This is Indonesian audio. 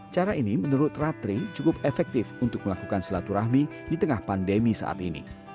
cara ini menurut ratri cukup efektif untuk melakukan silaturahmi di tengah pandemi saat ini